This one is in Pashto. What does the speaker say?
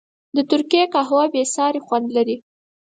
د ترکي قهوه بېساری خوند لري.